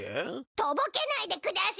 とぼけないでくだせい！